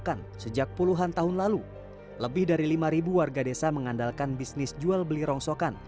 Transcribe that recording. bahkan sejak puluhan tahun lalu lebih dari lima warga desa mengandalkan bisnis jual beli rongsokan